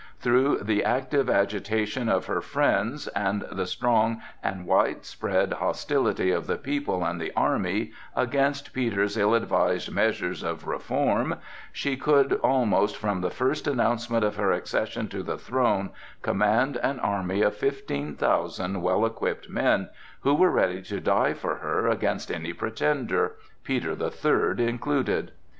Through the active agitation of her friends, and the strong and widespread hostility of the people and the army against Peter's ill advised measures of "reform," she could, almost from the first announcement of her accession to the throne, command an army of fifteen thousand well equipped men, who were ready to die for her against any pretender, Peter the Third included.